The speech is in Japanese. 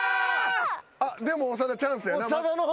あっでも長田チャンスや。